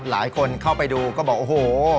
หลายคนเข้าไปดูก็บอกโอ้โห